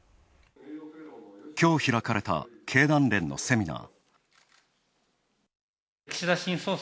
きょう開かれた、経団連のセミナー。